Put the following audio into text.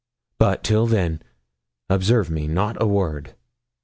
But till then, observe me, not a word.'